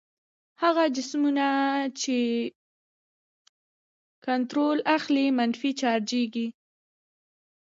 هغه جسمونه چې الکترون اخلي منفي چارجیږي.